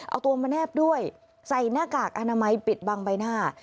เอาตัวมาแนบด้วยใส่หน้ากากอนามัยปิดบังใบหน้า